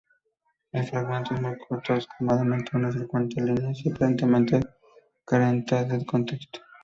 El fragmento es muy corto, escasamente unas cincuenta líneas y aparentemente carente de contexto.